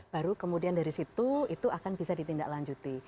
baru kemudian dari situ itu akan bisa ditindaklanjuti